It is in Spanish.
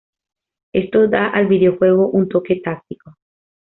Esto da al videojuego un toque táctico.